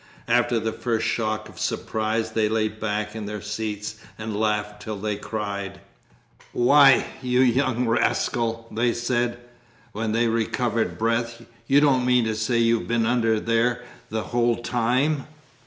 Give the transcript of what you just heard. After the first shock of surprise they lay back in their seats and laughed till they cried. "Why, you young rascal!" they said, when they recovered breath, "you don't mean to say you've been under there the whole time?"